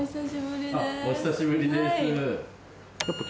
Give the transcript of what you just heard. お久しぶりです。